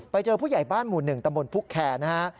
ไปเจอผู้ใหญ่บ้านหมู่หนึ่งตะบนภุคแคร์นะฮะ